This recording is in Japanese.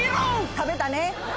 食べたね。